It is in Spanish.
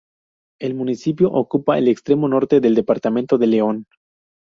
El municipio ocupa el extremo norte del departamento de León.